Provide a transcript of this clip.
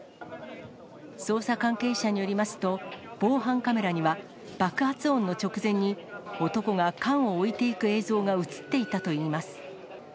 捜査関係者によりますと、防犯カメラには爆発音の直前に、男が缶を置いていく映像が写っていたといいます。